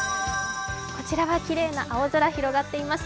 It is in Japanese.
こちらはきれいな青空広がっています。